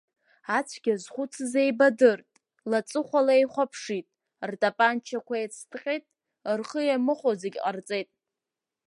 Ацәгьа зхәыцыз еибадырт, лаҵыхәала еихәаԥшит, ртапанчақәа еицыҭҟьеит, рхы иамыхәо зегь ҟарҵеит.